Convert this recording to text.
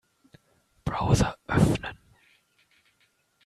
Browser öffnen.